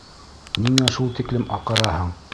Ниңә шул тиклем аҡыраһың?